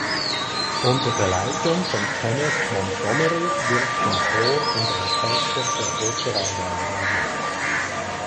Unter der Leitung von Kenneth Montgomery wirkten Chor und Orchester der Opera Rara mit.